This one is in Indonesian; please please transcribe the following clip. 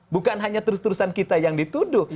bukan hanya terus terusan kita yang dituduh